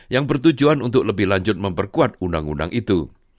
yang bertujuan untuk lebih lanjut memperkuat undang undang itu